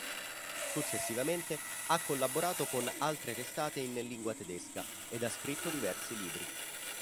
Successivamente ha collaborato con altre testate in lingua tedesca ed ha scritto diversi libri.